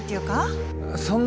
そんな。